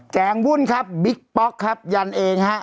งวุ่นครับบิ๊กป๊อกครับยันเองฮะ